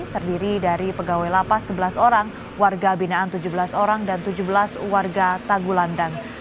terdiri dari pegawai lapas sebelas orang warga binaan tujuh belas orang dan tujuh belas warga tagulandang